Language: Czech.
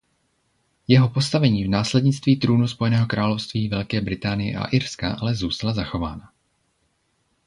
Jeho postavení v následnictví trůnu Spojeného království Velké Británie a Irska ale zůstala zachována.